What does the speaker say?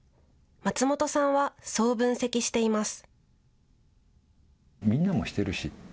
松本さんはそう分析しています。